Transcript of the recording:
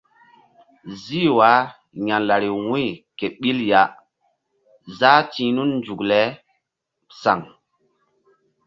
Zih wah ya̧lari wu̧y ke ɓil ya záh ti̧h nun nzuk le saŋ.